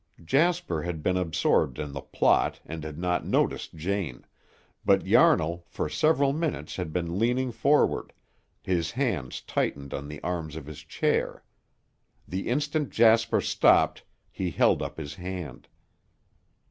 Jasper had been absorbed in the plot and had not noticed Jane, but Yarnall for several minutes had been leaning forward, his hands tightened on the arms of his chair. The instant Jasper stopped he held up his hand.